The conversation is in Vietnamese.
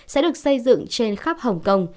sẽ được xây dựng trên khắp hồng kông